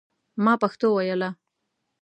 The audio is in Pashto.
ما پښتو ویله.